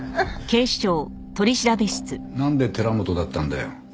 なんで寺本だったんだよ？